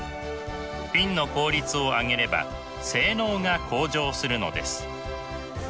フィンの効率を上げれば性能が向上するのです。